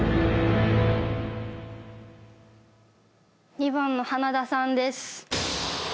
２番の花田さんです